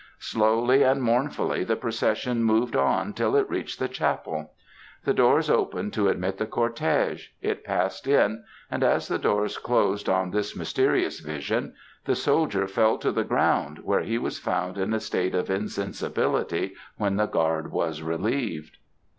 Slowly and mournfully the procession moved on till it reached the chapel; the doors opened to admit the cortege; it passed in; and as the doors closed on this mysterious vision the soldier fell to the ground, where he was found in a state of insensibility when the guard was relieved.